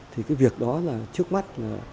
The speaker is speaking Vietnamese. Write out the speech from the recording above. thì cái việc đó là trước mắt